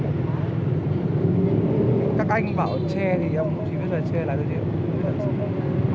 các anh bảo che thì ông chỉ biết là che là được gì ạ